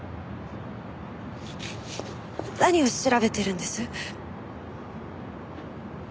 何を調べてるんです？